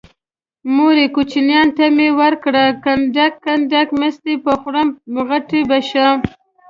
مورې کوچيانو ته مې ورکړه کنډک کنډک مستې به خورم غټه به شمه